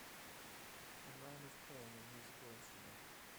A man is playing a musical instrument